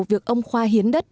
việc ông khoa hiến đất